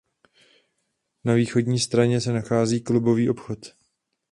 Na východní straně se nachází klubový obchod.